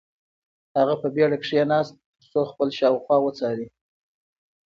هغه په بېړه کښېناست ترڅو خپل شاوخوا وڅاري.